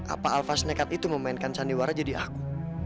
apa alva snekat itu memainkan sandiwara jadi aku